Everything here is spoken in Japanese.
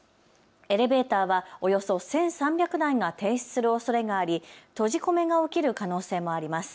エレベーターはおよそ１３００台が停止するおそれがあり閉じ込めが起きる可能性もあります。